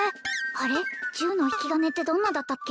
あれ銃の引き金ってどんなだったっけ？